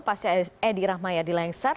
pasti edi rahmayadi lengsar